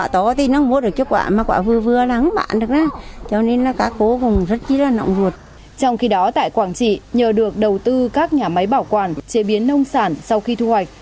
trong khi đó tại quảng trị nhờ được đầu tư các nhà máy bảo quản chế biến nông sản sau khi thu hoạch